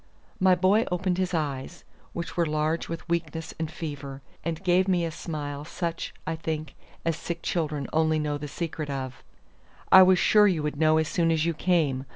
My boy opened his eyes, which were large with weakness and fever, and gave me a smile such, I think, as sick children only know the secret of. "I was sure you would know as soon as you came.